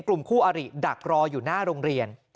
กลุ่มคู่อาริดักรออยู่หน้าโรงเรียน